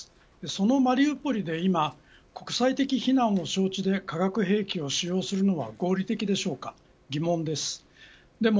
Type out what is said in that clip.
そのマリウポリで今国際的非難を承知で化学兵器を使用するのは合理的でしょうか、疑問です。